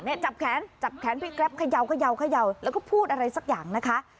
เนี่ยจับแขนจับแขนพี่ครับขยาวขยาวขยาวแล้วก็พูดอะไรสักอย่างนะคะ